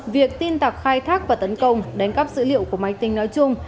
việc tin tặc khai thác và tấn công đánh cắp dữ liệu của máy tính nói chung